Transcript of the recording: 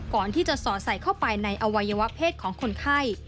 ก่อนที่จะสอดใส่เข้าไปในอวัยวะเพศของคนไข้